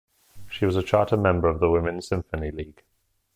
She was a charter member of the Women's Symphony League.